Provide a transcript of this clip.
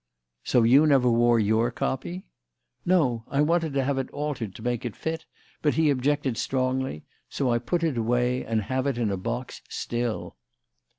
"So you never wore your copy?" "No. I wanted to have it altered to make it fit, but he objected strongly; so I put it away, and have it in a box still."